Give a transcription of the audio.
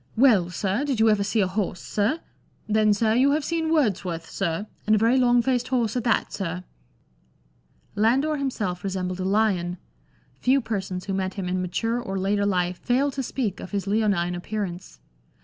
" Well, sir, did you ever see a horse, sir ? Then, sir, you have seen Words worth, sir, — and a very long faced horse at that, sir !" Landor himself resembled a lion ; few persons who met him in mature or later life fail to speak of his leonme appearance.